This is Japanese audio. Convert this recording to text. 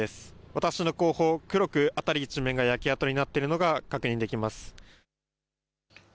私の後方、黒く辺り一面が焼け跡になっているのが確認できます。